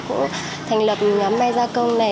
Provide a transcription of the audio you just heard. cũng thành lập nhóm mai gia công này